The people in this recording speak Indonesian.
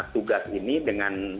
tugas ini dengan